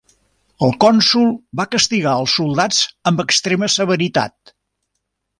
El cònsol va castigar als soldats amb extrema severitat.